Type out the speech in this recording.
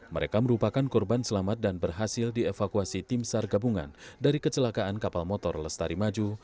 mereka merupakan korban selamat dan berhasil dievakuasi tim sar gabungan dari kecelakaan kapal motor lestari maju